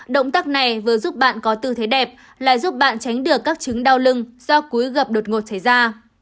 động tác này vừa giúp bạn có tư thế đẹp lại giúp bạn tránh được các chứng đau lưng do cúi gập đột ngột xảy ra